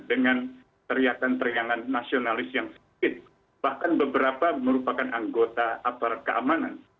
dengan teriakan teriaan nasionalis yang sedikit bahkan beberapa merupakan anggota aparat keamanan